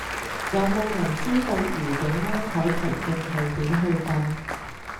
有無人知道愉景灣海堤徑係點去㗎